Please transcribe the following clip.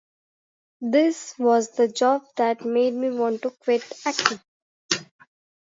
This was the job that made me want to quit acting.